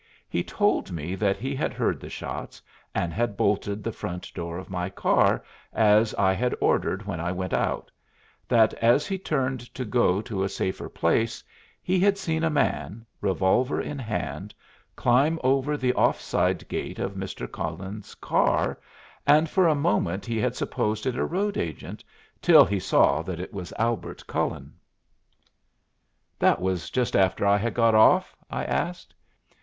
He told me that he had heard the shots, and had bolted the front door of my car, as I had ordered when I went out; that as he turned to go to a safer place, he had seen a man, revolver in hand, climb over the off side gate of Mr. Cullen's car, and for a moment he had supposed it a road agent, till he saw that it was Albert Cullen. "That was just after I had got off?" I asked.